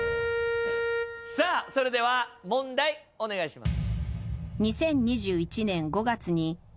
さあそれでは問題お願いします。